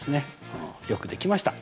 うんよくできました。